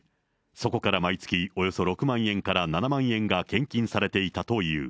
そこから毎月、およそ６万円から７万円が献金されていたという。